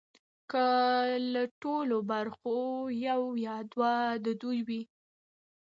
که له ټولو برخو یو یا دوه د دوی وي